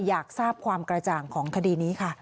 อยากทราบความกระจ่างของคดีนี้ค่ะ